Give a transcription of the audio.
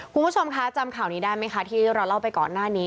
คุณผู้ชมคะจำข่าวนี้ได้ไหมคะที่เราเล่าไปก่อนหน้านี้